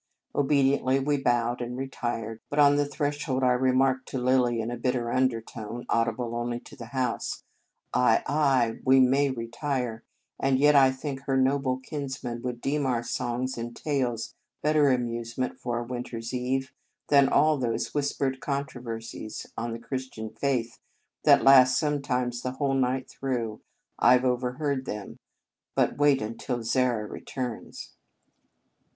Obediently we bowed and retired; but on the threshold I remarked to Lilly in a bitter undertone, audible only to the house :" Ay ! ay, we may retire. And yet I think her noble kinsmen would deem our songs and tales better amusement for a winter s eve than all these whispered contro versies on the Christian faith that last sometimes the whole night through. I ve overheard them. But wait until Zara returns."